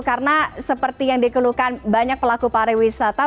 karena seperti yang dikelukan banyak pelaku pariwisata